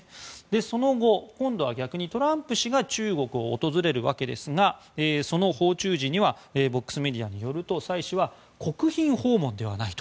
その後、今度は逆にトランプ氏が中国を訪れるわけですがその訪中時にはボックスメディアによるとサイ氏は国賓訪問ではないと。